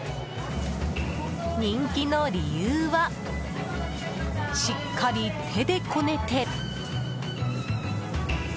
人気の理由はしっかり手でこねて。